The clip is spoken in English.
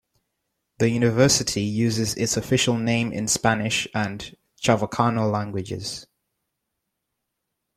The university uses its official name in Spanish and Chavacano languages.